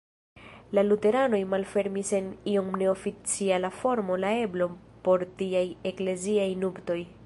La luteranoj malfermis en iom neoficiala formo la eblon por tiaj ekleziaj nuptoj.